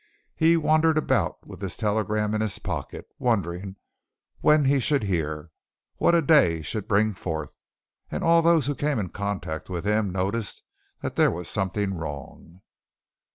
He wandered about with this telegram in his pocket wondering when he should hear what a day should bring forth, and all those who came in contact with him noticed that there was something wrong.